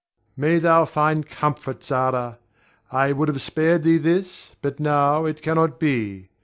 May thou find comfort, Zara! I would have spared thee this, but now it cannot be.